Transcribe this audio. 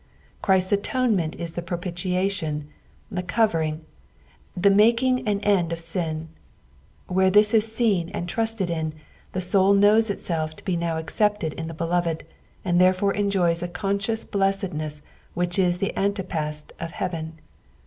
Christ's atonement is the propitiation, the covering, the making an end of aiii ; where ttiis is seen and trusted in, the soul knows itself to be now accepted in the Beloved, and therefore enjoys ft conscious blessedness which is the antepasc of heaven.